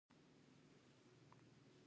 خوست دا ظرفیت لري.